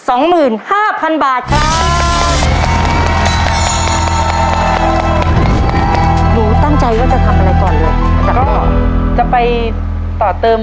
ออกแล้ว